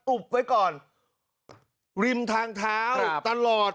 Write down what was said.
อุบไว้ก่อนริมทางเท้าตลอด